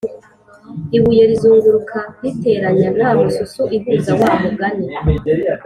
ibuye rizunguruka riteranya nta mususu ihuza wa mugani